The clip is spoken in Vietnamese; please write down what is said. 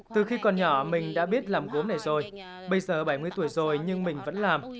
từ khi còn nhỏ mình đã biết làm gốm này rồi bây giờ bảy mươi tuổi rồi nhưng mình vẫn làm